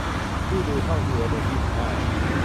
พี่ดูช่องจีเอ็มเอ็มยี่สิบห้า